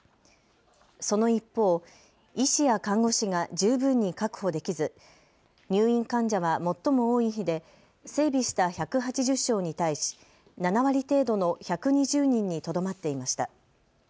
その一方、医師や看護師が十分に確保できず入院患者は最も多い日で整備した１８０床に対し７割程度の１２０人にとどまっていました。